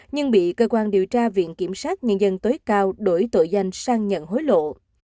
nhưng bị cơ quan điều tra viện kiểm sát nhân dân tối cao đổi tội danh sang nhận hối lộ